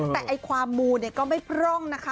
แต่ความมูเนี่ยก็ไม่พร่องนะคะ